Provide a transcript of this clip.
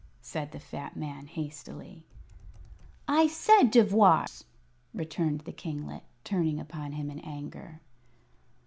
said the fat man, hastily. "I said 'devoirs'!" returned the kinglet, turning upon him in anger.